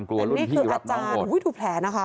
กลัวรุ่นที่รับน้องโหดอันนี้คืออาจารย์ถูกแผลนะคะ